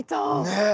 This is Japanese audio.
ねえ。